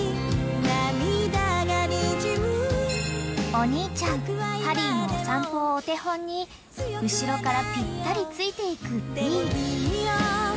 ［お兄ちゃんハリーのお散歩をお手本に後ろからぴったりついていくＢｅ］